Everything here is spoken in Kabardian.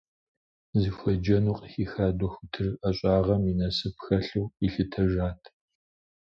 Зыхуеджэну къыхиха дохутыр ӏэщӏагъэм и насып хэлъу къилъытэжат.